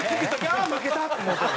「ああ負けた」って思うてるもん。